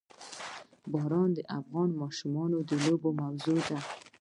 باران د افغان ماشومانو د لوبو موضوع ده.